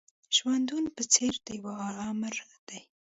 ژوندون په څېر د يوه آمر دی.